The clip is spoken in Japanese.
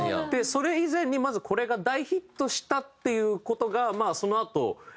それ以前にまずこれが大ヒットしたっていう事がまあそのあと色んな。